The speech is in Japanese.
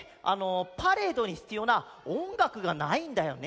パレードにひつようなおんがくがないんだよね。